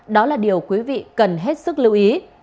đó là điều quý vị cần hết sức lưu ý